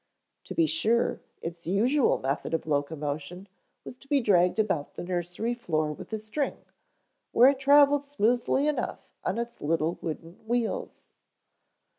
To be sure, its usual method of locomotion was to be dragged about the nursery floor with a string, where it traveled smoothly enough on its little wooden wheels.